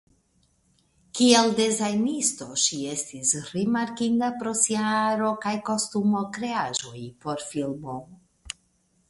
Kiel dezajnisto ŝi estis rimarkinda pro sia aro kaj kostumo kreaĵoj por filmo.